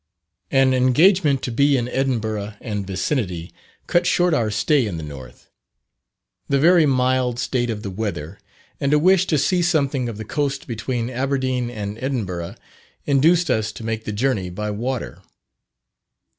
An engagement to be in Edinburgh and vicinity, cut short our stay in the north. The very mild state of the weather, and a wish to see something of the coast between Aberdeen and Edinburgh, induced us to make the journey by water.